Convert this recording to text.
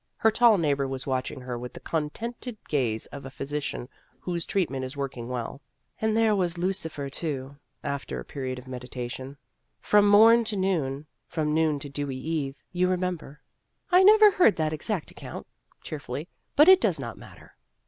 Her tall neighbor was watching her with the contented gaze of a physician whose treatment is working well. " And there was Lucifer, too," after a pe riod of meditation, "' from morn to noon, from noon to dewy eve,' you remember? "" I never heard that exact account," cheerfully, "but it does not matter."